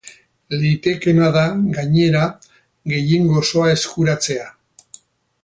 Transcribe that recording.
Litekeena da, gainera, gehiengo osoa eskuratzea.